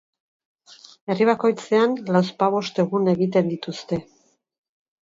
Herri bakoitzean lauzpabost egun egiten dituzte.